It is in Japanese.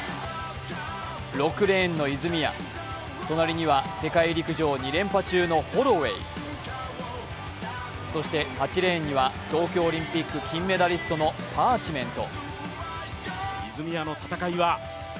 ６レーンの泉谷、隣には世界陸上２連覇中のホロウェイ、そして８レーンには東京オリンピック金メダリストのパーチメント。